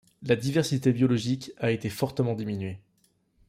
La diversité biologique a été fortement diminuée.